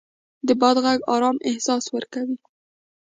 د باد غږ ارام احساس ورکوي